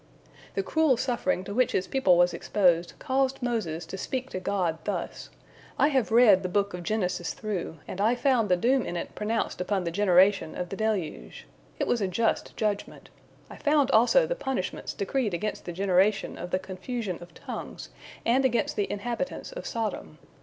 The cruel suffering to which his people was exposed caused Moses to speak to God thus: "I have read the book of Genesis through, and I found the doom in it pronounced upon the generation of the deluge. It was a just judgment. I found also the punishments decreed against the generation of the confusion of tongues, and against the inhabitants of Sodom.